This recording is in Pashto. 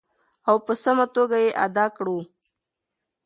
او په سمه توګه یې ادا کړو.